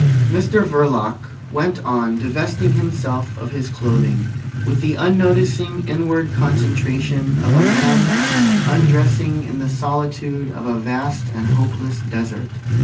Mr Verloc went on divesting himself of his clothing with the unnoticing inward concentration of a man undressing in the solitude of a vast and hopeless desert.